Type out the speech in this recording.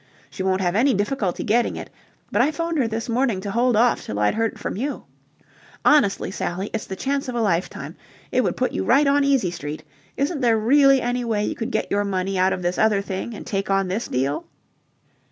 She won't have any difficulty getting it, but I 'phoned her this morning to hold off till I'd heard from you. Honestly, Sally, it's the chance of a lifetime. It would put you right on easy street. Isn't there really any way you could get your money out of this other thing and take on this deal?"